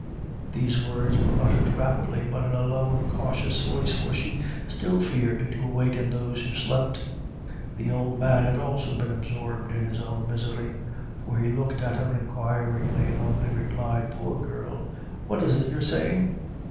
These words were uttered rapidly, but in a low and cautious voice, for she still feared to awaken those who slept. The old man had also been absorbed in, his own misery; for he looked at her inquiringly, and only replied, "Poor girl, what is it you're saying?"